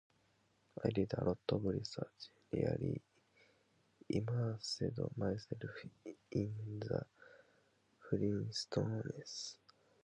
I did a lot of research, really immersed myself in the Flintstones.